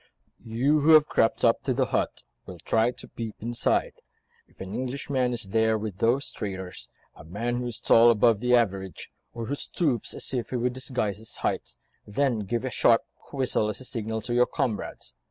"You, who have crept up to the hut, will try to peep inside. If an Englishman is there with those traitors, a man who is tall above the average, or who stoops as if he would disguise his height, then give a sharp, quick whistle as a signal to your comrades.